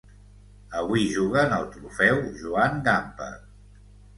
Avui juguen el trofeu Joan Gamper.